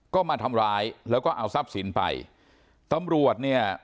ก็มาทำร้ายแล้วก็เอาทรัพย์สินไปตำรวจเนี่ย